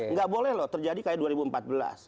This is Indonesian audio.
nggak boleh loh terjadi kayak dua ribu empat belas